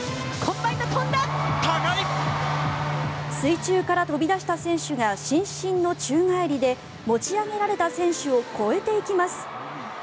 水中から飛び出した選手が伸身の宙返りで持ち上げられた選手を越えていきます。